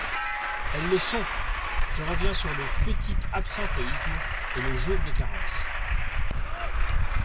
Elles le sont ! Je reviens sur le petit absentéisme et le jour de carence.